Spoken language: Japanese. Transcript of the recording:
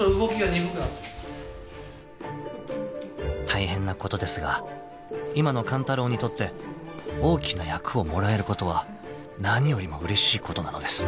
［大変なことですが今の勘太郎にとって大きな役をもらえることは何よりもうれしいことなのです］